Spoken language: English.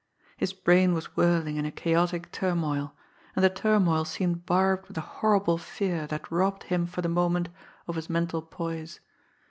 His brain was whirling in a chaotic turmoil; and the turmoil seemed barbed with a horrible fear that robbed him for the moment of his mental poise.